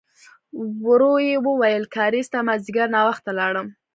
ورو يې وویل: کارېز ته مازديګر ناوخته لاړم.